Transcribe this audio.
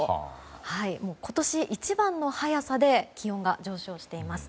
今年一番の早さで気温が上昇しています。